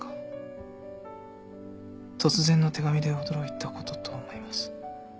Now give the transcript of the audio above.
「突然の手紙で驚いたことと思います」